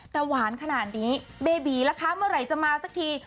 แต่หวานขนาดนี้เบบีแล้วมันไรจะมาสักที